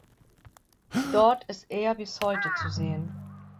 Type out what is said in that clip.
Dort ist er bis heute zu sehen.